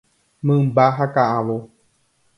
Mymba ha ka'avo.